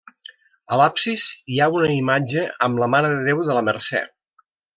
A l'absis hi ha una imatge amb la mare de Déu de la Mercè.